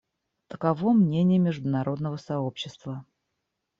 Таково мнение международного сообщества.